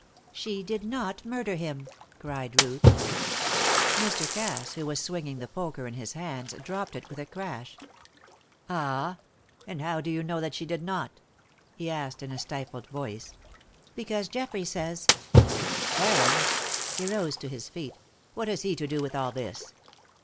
"She did not murder him!" cried Ruth. Mr. Cass, who was swinging the poker in his hands, dropped it with a crash. "Ah! and how do you know that she did not?" he asked in a stifled voice. "Because Geoffrey says " "Heron!" He rose to his feet. "What has he to do with all this?"